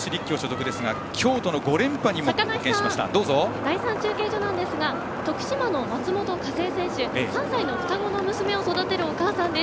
第３中継所ですが徳島の松本一恵選手３歳の双子のお子さんを育てるお母さんです。